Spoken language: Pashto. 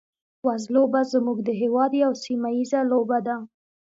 وزلوبه زموږ د هېواد یوه سیمه ییزه لوبه ده.